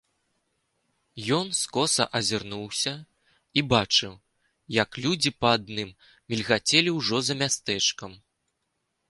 Ён скоса азірнуўся і бачыў, як людзі па адным мільгацелі ўжо за мястэчкам.